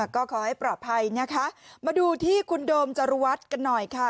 ก็ขอให้ปลอดภัยนะคะมาดูที่คุณโดมจรุวัฒน์กันหน่อยค่ะ